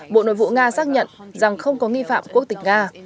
bộ nội vụ nga xác nhận rằng không có nghi phạm quốc tịch nga